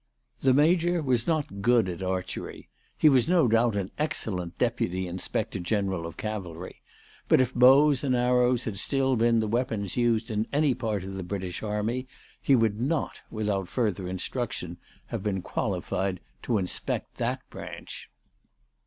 The Major was not good at archery. He was no doubt an excellent Deputy Inspector General of Cavalry ; but if bows and arrows had still been the weapons used in any part of the British army, he would not, without further instruction, have been qualified 376 ALICE DUGDALE. to inspect that branch.